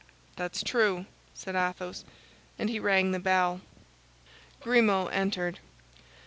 "That's true," said Athos, and he rang the bell. Grimaud entered.